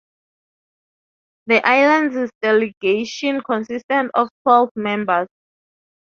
The island's delegation consisted of twelve members.